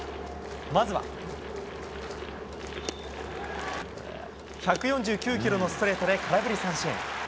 まずは１４９キロのストレートで空振り三振。